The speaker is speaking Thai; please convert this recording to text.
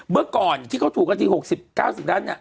เมื่อก่อนที่เขาถูกกันที่๖๐๙๐ล้านเนี่ย